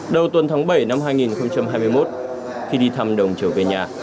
đầu tuần tháng bảy năm hai nghìn hai mươi một khi đi thăm đồng trở về nhà